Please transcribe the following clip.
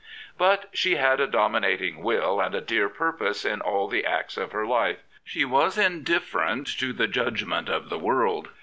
But she had a dominating will and a dear purpose in all the acts of her life. She was indifferent to the judgment of the world.